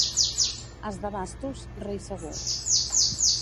As de bastos, rei segur.